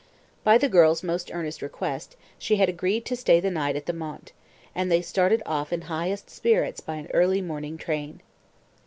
By the girl's most earnest request, she had agreed to stay the night at the Mont, and they started off in highest spirits by an early morning train.